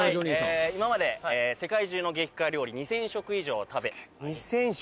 今まで世界中の激辛料理２０００食以上を食べ２０００食？